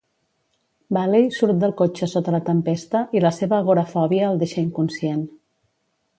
Baley surt del cotxe sota la tempesta i la seva agorafòbia el deixa inconscient.